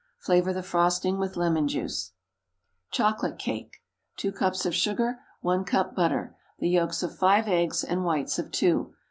Flavor the frosting with lemon juice. CHOCOLATE CAKE. ✠ 2 cups of sugar. 1 cup butter. The yolks of five eggs and whites of two.